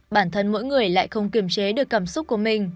bản thân mỗi người lại không kiềm chế được cảm xúc của mình